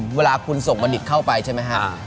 พอเมื่อคุณส่งมาหลีกเข้าไปใช่มั้ยฮะ